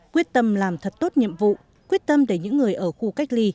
quyết tâm làm thật tốt nhiệm vụ quyết tâm để những người ở khu cách ly